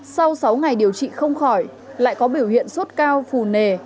sau sáu ngày điều trị không khỏi lại có biểu hiện sốt cao phù nề